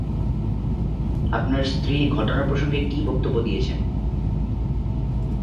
আপনার স্ত্রী ঘটনা প্রসঙ্গে কী বক্তব্য দিয়েছেন?